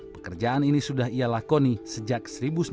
pekerjaan ini sudah ia lakoni sejak seribu sembilan ratus sembilan puluh